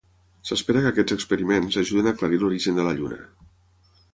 S'espera que aquests experiments ajudin a aclarir l'origen de la Lluna.